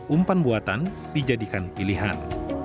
umpan buatan dijadikan pilihan